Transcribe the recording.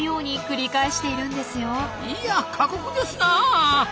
いや過酷ですなあ！